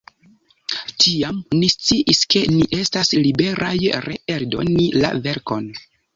Tiam ni sciis ke ni estas liberaj reeldoni la verkon.